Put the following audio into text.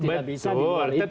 tidak bisa di luar itu